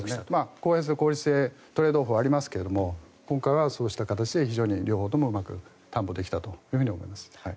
公平性、効率性トレードオフがありますが今回はそうした形で非常に両方ともうまく担保できたと思います。